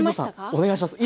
お願いします。